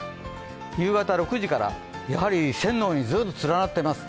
夕方６時から、やはり線のようにずっと連なっています。